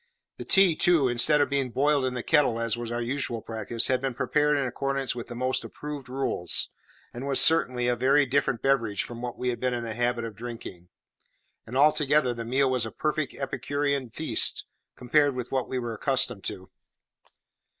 The tea, too, instead of being boiled in the kettle, as was our usual practice, had been prepared in accordance with the most approved rules, and was certainly a very different beverage from what we had been in the habit of drinking; and, altogether, the meal was a perfect Epicurean feast compared with what we were accustomed to.